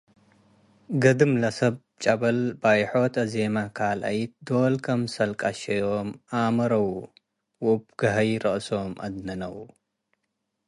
ገድም ለሰብ-ጨበል፣ በይሖት አዜመ ካልኣይት ዶል ክምሰል ቀሸዮም ኣመረው፣ ወእብ ገሀይ ረአሶም አድነነው።